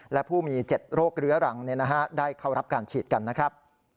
และผู้มี๗โรคเรื้อรังได้เข้ารับการฉีดกันนะครับ